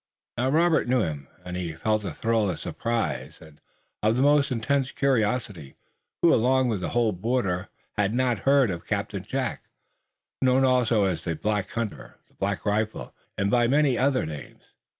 Now Robert knew him, and he felt a thrill of surprise, and of the most intense curiosity. Who along the whole border had not heard of Captain Jack, known also as the Black Hunter, the Black Rifle and by many other names?